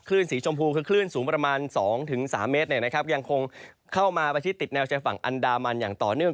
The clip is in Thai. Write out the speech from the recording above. คลื่นสีชมพูคือคลื่นสูงประมาณสองถึงสามเมตรเนี่ยนะครับยังคงเข้ามาไปที่ติดแนวใจฝั่งอันดามันอย่างต่อเนื่อง